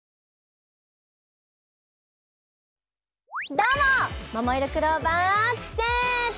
どうも。